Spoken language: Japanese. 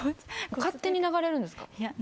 勝手に流れるんですか？